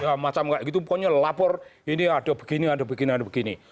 ya macam itu pokoknya lapor ini ada begini ada begini ada begini